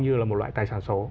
như là một loại tài sản số